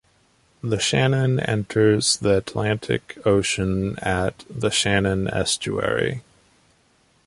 The Shannon enters the Atlantic Ocean at the Shannon Estuary.